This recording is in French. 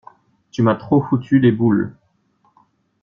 Tu m'as trop foutu les boules.